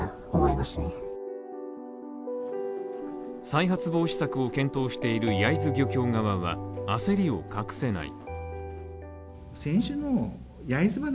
再発防止策を検討している焼津漁協側は焦りを隠せない。